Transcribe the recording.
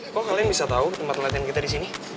kok kalian bisa tau tempat ngeliatin kita disini